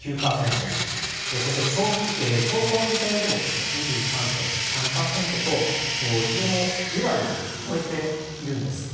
そして町村議選でも２３．３％といずれも２割を超えているんです。